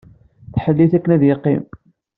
Tḥellel-it akken ad yeqqim.